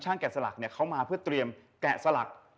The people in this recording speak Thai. แกะสลักเนี่ยเขามาเพื่อเตรียมแกะสลัก